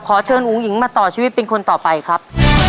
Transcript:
ขอเชิญอุ๋งอิ๋งมาต่อชีวิตเป็นคนต่อไปครับ